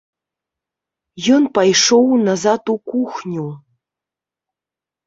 Ён пайшоў назад у кухню.